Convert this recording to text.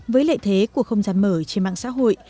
với lợi thế của không gian mở trên mạng xã hội